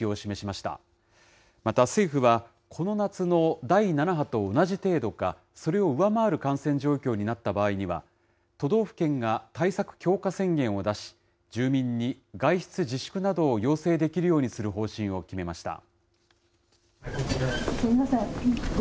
また政府は、この夏の第７波と同じ程度か、それを上回る感染状況になった場合には、都道府県が対策強化宣言を出し、住民に外出自粛などを要請できるようにする方針を決めました。